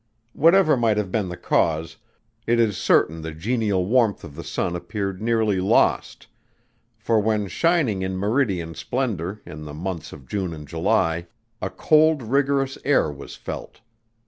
Whatever might have been the cause, it is certain the genial warmth of the sun appeared nearly lost: for when shining in meridian splendour in the months of June and July, a cold rigorous air was felt.